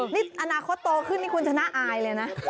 อันนานาคตโตขึ้นคุณจะน่าอายเลยนะ